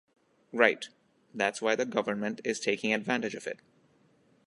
Right. That's why the government is taking advantange of it.